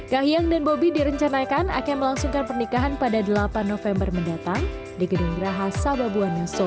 kahiyang dan bobi direncanakan akan melangsungkan pernikahan pada delapan november mendatang di gedung graha sababuana solo